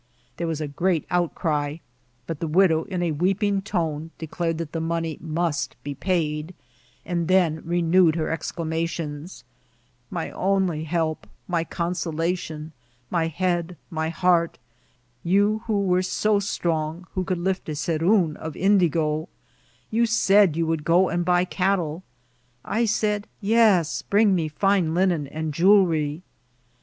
There was a great outcry ; but the widow, in a weeping tone, declared that the money must be paid, and then renewed her exclamations :<< My mily he^, my consolation, my head, my heart ; you who was so strong, who could lift a ceroon of indigo :"^^ you said you would go and buy cattle ;''<^ I said, ' yes ; bring me fine linen and jewebry.'